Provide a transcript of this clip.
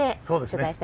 そうですね。